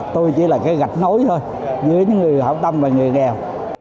tôi chỉ là cái gạch nối thôi giữa những người hảo tâm và người nghèo